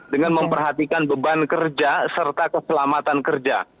dengan memperhatikan beban kerja serta keselamatan kerja